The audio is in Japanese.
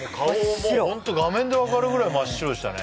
もうホント画面で分かるぐらい真っ白でしたね